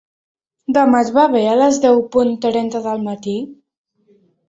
Demà et va bé, a les deu punt trenta del matí?